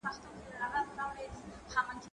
زه هره ورځ قلم استعمالوم؟!